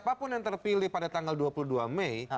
siapapun yang terpilih pada tanggal dua puluh dua mei